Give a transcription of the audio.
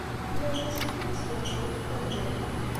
Yal taṣebḥit ttgeɣ cwiṭ n waddal.